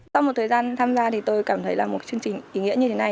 sau một thời gian tham gia thì tôi cảm thấy là một chương trình ý nghĩa như thế này